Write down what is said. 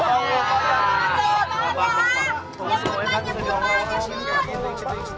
gak bisa ya pak